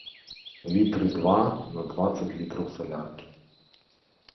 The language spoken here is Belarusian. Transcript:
Літры два на дваццаць літраў саляркі.